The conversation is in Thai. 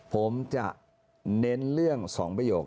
ผมจะเน้นเรื่อง๒ประโยค